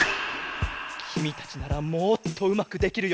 きみたちならもっとうまくできるよ！